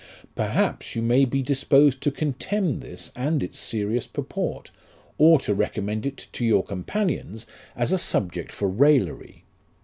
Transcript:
" Perhaps you may be disposed to contemn this and its serious purport, or to recommend it to your companions as a subject for raillery.